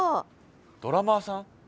ドラマーさん？